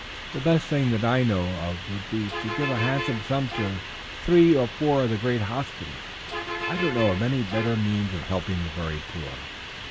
The best thing that I know of would be to give a handsome sum to three or four of the great hospitals. I don't know of any better means of helping the very poor."